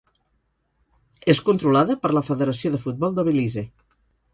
És controlada per la Federació de Futbol de Belize.